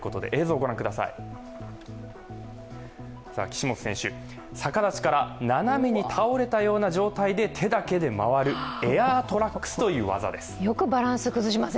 岸本選手、逆立ちから斜めに倒れたような形で手だけで回るエアートラックスという技です。